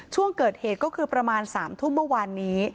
ช่วงเกิดเหตุก็คือประมาณ๓ทุ่มเมื่อวานนี้